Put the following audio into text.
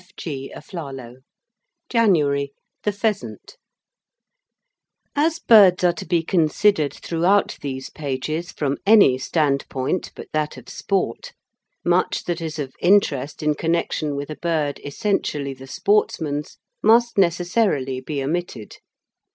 F. G. A. EASTER, 1914. JANUARY THE PHEASANT THE PHEASANT As birds are to be considered throughout these pages from any standpoint but that of sport, much that is of interest in connection with a bird essentially the sportsman's must necessarily be omitted.